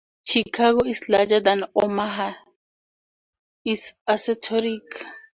"Chicago is larger than Omaha" is assertoric.